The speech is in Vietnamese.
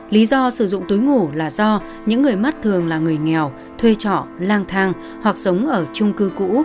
lý do sử dụng túi ngủ là do những người mắt thường là người nghèo thuê trọ lang thang hoặc sống ở trung cư cũ